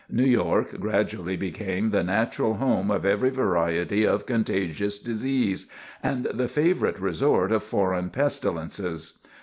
New York gradually became the natural home of every variety of contagious disease, and the favorite resort of foreign pestilences.